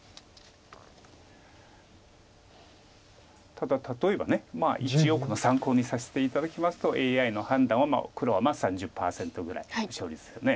ただ例えば一応参考にさせて頂きますとＡＩの判断は黒は３０％ぐらいの勝率ですよね。